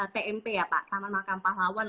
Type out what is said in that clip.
tmp ya pak taman makam pahlawan